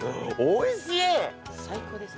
おいしい！